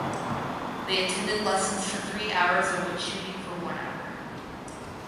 They attended lessons for three hours and went shooting for one hour.